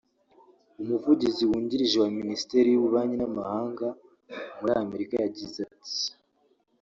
umuvugizi wungirije wa Ministeri y’ububanyi n’amahanga muri Amerika yagize ait